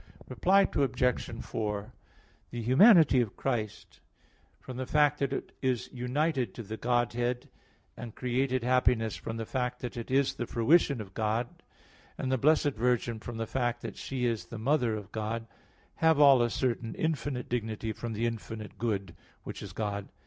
Reply Obj. 4: The humanity of Christ, from the fact that it is united to the Godhead; and created happiness from the fact that it is the fruition of God; and the Blessed Virgin from the fact that she is the mother of God; have all a certain infinite dignity from the infinite good, which is God.